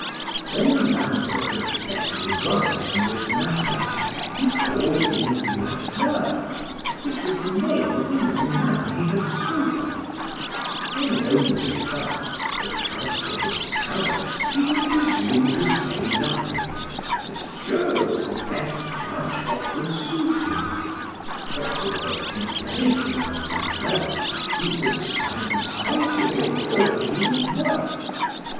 When the landlord had set me right in this matter, he called in La Fleur, which was the name of the young man he had spoke of,—saying only first, That as for his talents he would presume to say nothing,—Monsieur was the best judge what would suit him; but for the fidelity of La Fleur he would stand responsible in all he was worth.